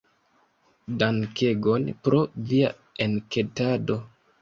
Dankegon pro via enketado.